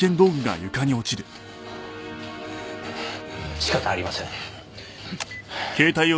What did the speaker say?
仕方ありません。